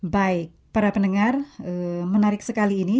baik para pendengar menarik sekali ini